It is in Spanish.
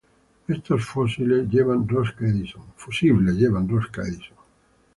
Estos fusibles llevan rosca Edison.